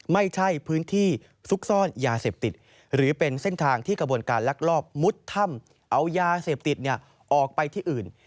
ไม่ใช่พื้นที่ซุกซ่อนยาเสพติดหรือเป็นเส้นทางที่กระบวนการลักลอบมุดถ้ำเอายาเสพติดออกไปที่อื่น